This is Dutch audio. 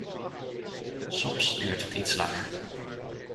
Soms duurt het iets langer.